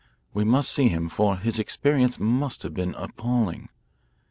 We must see him, for his experience must have been appalling.